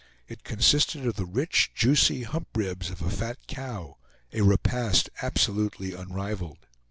It consisted of the rich, juicy hump ribs of a fat cow; a repast absolutely unrivaled.